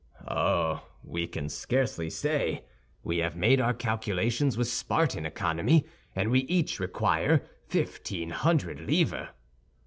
"Oh, we can scarcely say. We have made our calculations with Spartan economy, and we each require fifteen hundred livres."